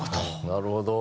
なるほど。